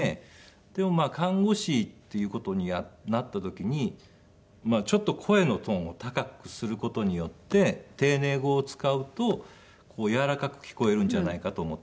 でも看護師っていう事になった時にちょっと声のトーンを高くする事によって丁寧語を使うと柔らかく聞こえるんじゃないかと思って。